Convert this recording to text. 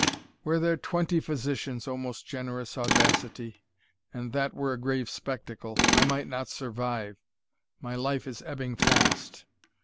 "Were there twenty physicians, O most generous Audacity, and that were a grave spectacle I might not survive, my life is ebbing fast.